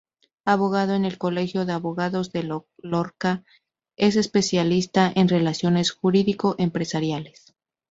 Abogado en el Colegio de Abogados de Lorca, es especialista en relaciones jurídico-empresariales.